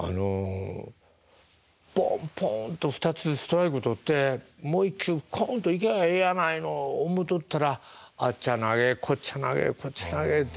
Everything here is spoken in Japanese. ポンポンと２つストライク取ってもう一球コンといきゃええやないの思とったらあっちゃ投げこっちゃ投げこっち投げって。